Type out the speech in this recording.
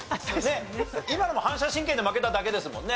今のも反射神経で負けただけですもんね。